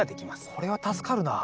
これは助かるなあ。